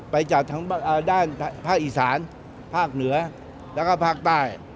ไปจากทางด้านภาคอีสานภาคเหนือแล้วก็ภาคใต้